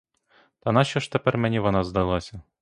Та нащо ж тепер мені вона здалася?